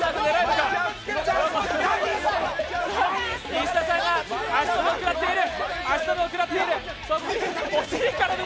石田さんが足止めを食らっている。